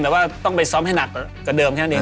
แค่ว่าต้องไปซ้อมให้หนักก็เดิมแบบนี้